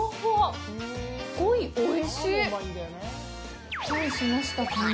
鯉、おいしい！